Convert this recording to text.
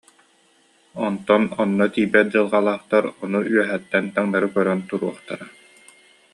Онтон онно тиийбэт дьылҕалаахтар ону үөһэттэн таҥнары көрөн туруохтара»